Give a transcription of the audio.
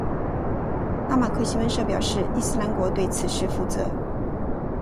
阿马克新闻社表示伊斯兰国对此事负责。